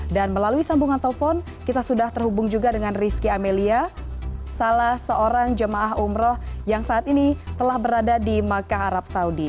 dan melalui sambungan telpon kita sudah terhubung juga dengan rizki amelia salah seorang jamaah umroh yang saat ini telah berada di makkah arab saudi